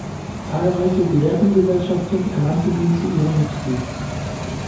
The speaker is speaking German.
Zahlreiche Gelehrtengesellschaften ernannten ihn zu ihrem Mitglied.